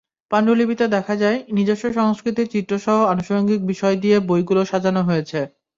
পাণ্ডুলিপিতে দেখা যায়, নিজস্ব সংস্কৃতির চিত্রসহ আনুষঙ্গিক বিষয় দিয়ে বইগুলো সাজানো হয়েছে।